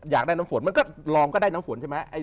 อยากได้น้ำฝนมันก็ลองก็ได้น้ำฝนใช่ไหม